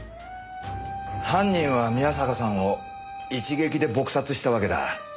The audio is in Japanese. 犯人は宮坂さんを一撃で撲殺したわけだ。